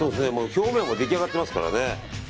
表面は出来上がっていますからね。